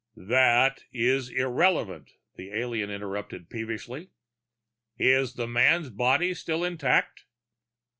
"That is irrelevant," the alien interrupted peevishly. "Is the man's body still intact?"